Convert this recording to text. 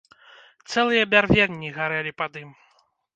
Цэлыя бярвенні гарэлі пад ім.